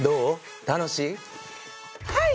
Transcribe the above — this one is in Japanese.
「はい！